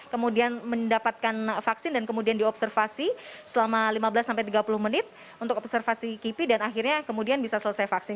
kemudian mendapatkan vaksin dan kemudian diobservasi selama lima belas sampai tiga puluh menit untuk observasi kipi dan akhirnya kemudian bisa selesai vaksin